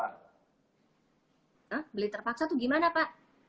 nah beli terpaksa tuh gimana pak